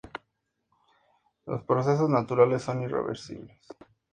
Todos los procesos naturales son irreversibles.